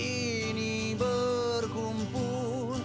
kami disini berkumpul